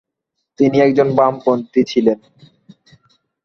তিনি একজন বামপন্থী ছিলেন।